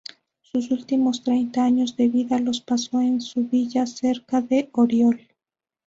Sus últimos treinta años de vida los pasó en su villa cerca de Oriol.